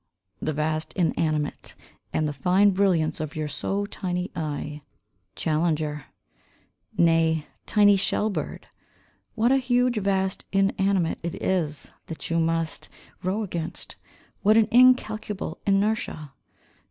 The vast inanimate, And the fine brilliance of your so tiny eye. Challenger. Nay, tiny shell bird, What a huge vast inanimate it is, that you must row against, What an incalculable inertia.